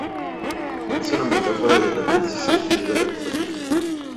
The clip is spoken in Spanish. Es una metáfora de la transición que vive la juventud".